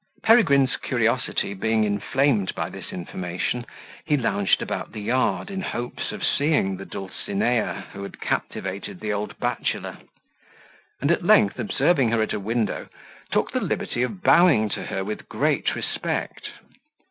Peregrine's curiosity being inflamed by this information, he lounged about the yard, in hopes of seeing the dulcinea who had captivated the old bachelor; and at length observing her at a window, took the liberty of bowing to her with great respect.